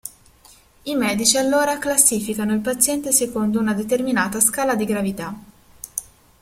I medici allora classificano il paziente secondo una determinata scala di gravità.